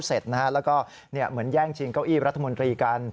เสร็จนะฮะแล้วก็เนี่ยเหมือนแย่งชิงเก้าอี้รัฐมนตรีกัน